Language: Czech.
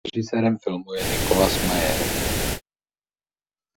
Režisérem filmu je Nicholas Meyer.